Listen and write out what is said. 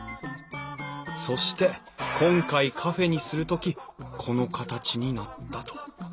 そして今回カフェにする時この形になったと。